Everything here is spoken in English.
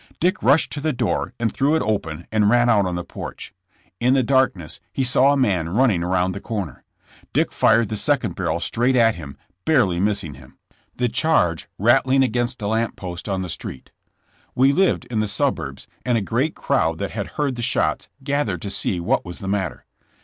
Dick rushed to the door and threw it open and ran out on the porch. In the darkness he saw a man running around the corner. Dick fired the second barrel straight at him, barely missing him, the 6 JESSS JAMES. charge rattling against a lamp post on the street. We lived in the suburbs, and a great crowd that had heard the shots gathered to see what was the matter.